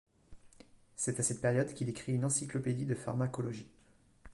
C’est à cette période qu’il écrit une encyclopédie de pharmacologie.